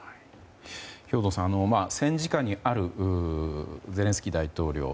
兵頭さん、戦時下にあるゼレンスキー大統領。